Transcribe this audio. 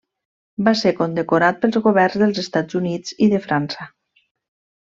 Va ser condecorat pels governs dels Estats Units i de França.